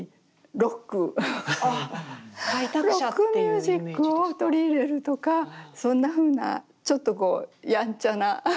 ロックミュージックを取り入れるとかそんなふうなちょっとこうやんちゃなところのある。